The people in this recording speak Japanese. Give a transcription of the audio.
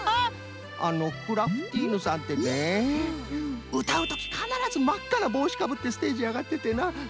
あのクラフティーヌさんってねうたうときかならずまっかなぼうしかぶってステージあがっててなフフフ。